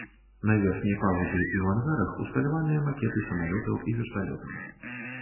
На верхняй палубе і ў ангарах усталяваныя макеты самалётаў і верталётаў.